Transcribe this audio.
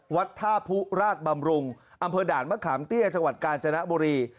วัดท่าผู้ราชบำรุงอำเภอด่านมะขามเตี้ยจังหวัดกาญจนบุรี